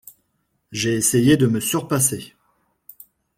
J’ai essayé de me surpasser.